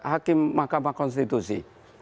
hakim mahkamah konstitusi